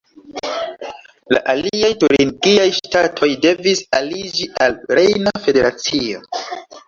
La aliaj turingiaj ŝtatoj devis aliĝi al Rejna Federacio.